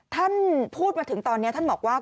ท่านพูดมาถึงตอนนี้ท่านบอกว่า